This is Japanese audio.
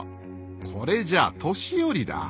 これじゃ年寄りだ。